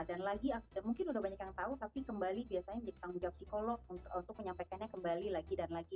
dan lagi mungkin sudah banyak yang tahu tapi kembali biasanya ditanggung jawab psikolog untuk menyampaikannya kembali lagi dan lagi